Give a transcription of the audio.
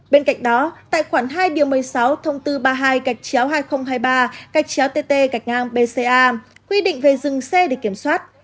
bên cạnh đó tại khoảng hai một mươi sáu thông tư ba mươi hai gạch chéo hai nghìn hai mươi ba gạch chéo tt gạch ngang bca quy định về dừng xe để kiểm soát